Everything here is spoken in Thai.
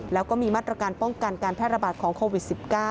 แล้วก็มีมาตรการป้องกันการแพร่ระบาดของโควิด๑๙